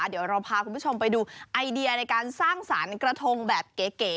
เดี๋ยวเราพาคุณผู้ชมไปดูไอเดียในการสร้างสรรค์กระทงแบบเก๋